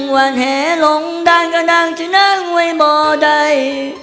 วันให้ลงด้านก็น้องจะนั่งไว้บอกได้